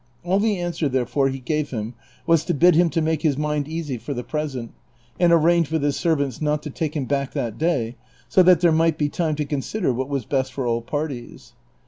All the answer, therefore, he gave him was to bid him to make his mind easy for the present, and arrange with his servants not to take him back that day, so that there might be time to consider what was best for all parties.